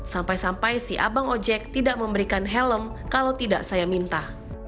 sampai sampai si abang ojek tidak memberikan helm kalau tidak saya minta